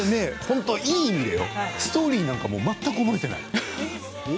いい意味でストーリーなんか全く覚えていない。